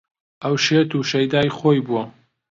ئەو شێت و شەیدای خۆی بووە